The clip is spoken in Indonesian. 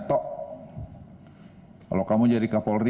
toh kalau kamu jadi kapolri